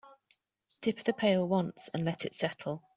Dip the pail once and let it settle.